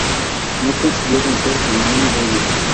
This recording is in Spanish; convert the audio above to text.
No consiguió vencer en ninguno de ellos.